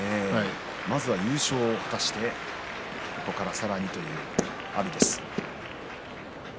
まずは優勝を果たしてここから、さらにという阿炎です。